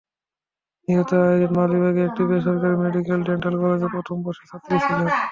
নিহত আইরিন মালিবাগে একটি বেসরকারি মেডিকেলের ডেন্টাল কলেজের প্রথম বর্ষের ছাত্রী ছিলেন।